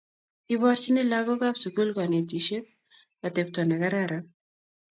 Iborchini lagook kab sugul konetisheek atepto negararan